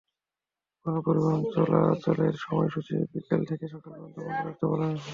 গণপরিবহন চলাচলের সময়সূচি বিকেল থেকে সকাল পর্যন্ত বন্ধ রাখতে বলা হয়েছে।